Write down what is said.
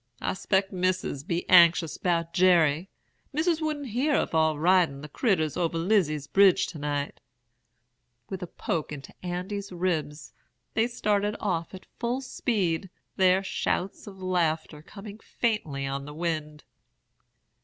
I 'spect Missis be anxious 'bout Jerry. Missis wouldn't hear of our ridin' the critturs over Lizy's bridge to night.' With a poke into Andy's ribs, they started off at full speed, their shouts of laughter coming faintly on the wind.